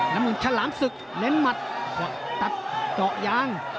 น้ำเงินฉลามศึกเน้นหมัดตัดเจาะยาง